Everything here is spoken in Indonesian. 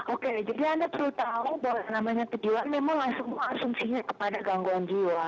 oke jadi anda perlu tahu bahwa namanya kejiwaan memang langsung mengasumsinya kepada gangguan jiwa